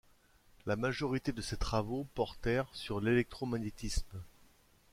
La majorité de ses travaux portèrent sur l'électromagnétisme.